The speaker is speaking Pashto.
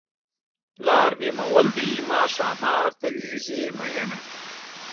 پلار مې مغل دی ما ښامار ته لېږي مینه.